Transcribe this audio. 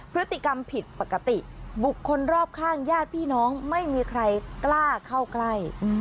พฤติกรรมผิดปกติบุคคลรอบข้างญาติพี่น้องไม่มีใครกล้าเข้าใกล้